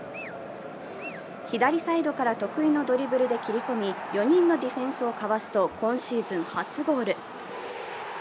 左サイドから得意のドリブルで切り込み４人のディフェンスをかわすと今シーズン初ゴール。